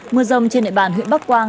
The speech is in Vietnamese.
mưa rông trên nệ bàn huyện bắc quang